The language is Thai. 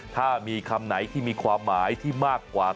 ถ้ามีคำไหนที่มีความหมายที่มากกว่า